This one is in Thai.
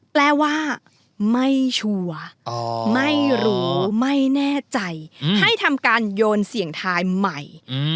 แปลว่าไม่ชัวร์ไม่รู้ไม่แน่ใจให้ทำการโยนเสี่ยงทายใหม่